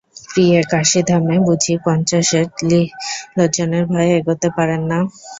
প্রিয়ে, কাশীধামে বুঝি পঞ্চশর ত্রিলোচনের ভয়ে এগোতে পারেন না?